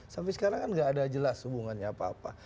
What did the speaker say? sampai sekarang kan nggak ada jelas hubungannya apa apa